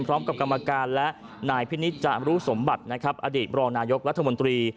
พร้อมกับกรรมการและนายพิษนิจจารุสมบัติอดีตบรองนายกรรธมนตรี